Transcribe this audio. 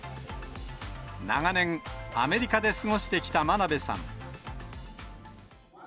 長年、アメリカで過ごしてきた真鍋さん。